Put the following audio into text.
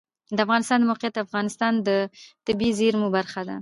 د افغانستان د موقعیت د افغانستان د طبیعي زیرمو برخه ده.